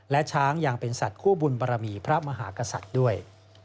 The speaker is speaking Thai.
และช้างยังเป็นสัตว์คู่บุญบรมีพระมหากษัตริย์ด้วย